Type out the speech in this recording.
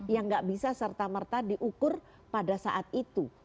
yang gak bisa serta merta diukur pada saat itu